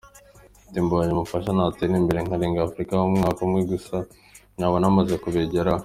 Ati “Mbonye umfasha natera imbere nkarenga Afrika, mu mwaka umwe gusa naba namaze kubigeraho”.